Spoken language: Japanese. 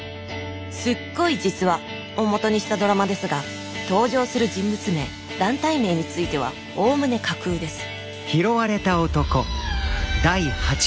すっごい実話！をもとにしたドラマですが登場する人物名団体名についてはおおむね架空です